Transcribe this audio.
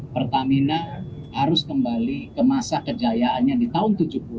pertamina harus kembali ke masa kejayaannya di tahun tujuh puluh